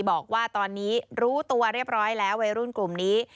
บอกว่าตอนนี้รู้ตัวเรียบร้อยแล้ววัยรุ่นกลุ่มนี้